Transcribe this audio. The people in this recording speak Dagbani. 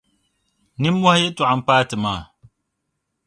Nimohi Yɛltɔɣa m-paai ti maa.